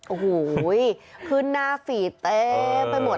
โอ้โหขึ้นหน้าฟีดเต็มไปหมด